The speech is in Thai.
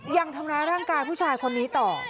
ยังทำร้ายร่างกายผู้ชายคนนี้ต่อ